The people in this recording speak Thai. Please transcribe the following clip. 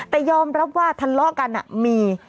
แต่ยอมรับว่าทะเลาะกันมี